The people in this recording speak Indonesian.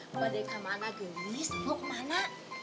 neng neng pada kemana genis lo kemana